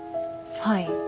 はい。